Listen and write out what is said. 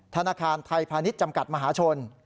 ธนาคารไทยพาณิชย์จำกัดมหาชน